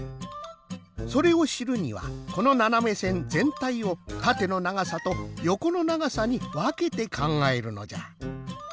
それをしるにはこのななめせんぜんたいをたてのながさとよこのながさにわけてかんがえるのじゃ。